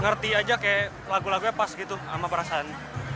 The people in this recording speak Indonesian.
ngerti aja kayak lagu lagunya pas gitu sama perasaan